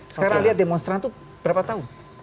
sekarang lihat demonstran itu berapa tahun